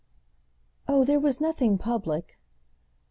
"Oh there was nothing public."